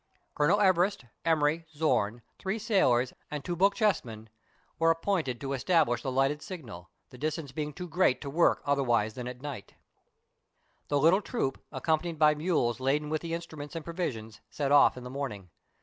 Colonel Everest, Emery, Zorn, three sailors, and two Boch jesmen, were appointed to establish the lighted signal, the' distance being too great to work otherwise than at night The little troop, accompanied by mules laden with the instruments and provisions, set off in the morning.